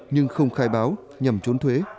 nhưng không khai báo nhằm trốn thuế